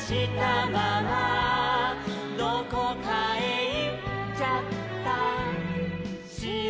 「どこかへいっちゃったしろ」